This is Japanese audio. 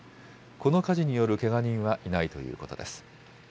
この火事によるけが人はいないということです。